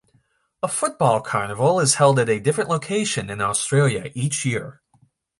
A football carnival is held at a different location in Australia each year.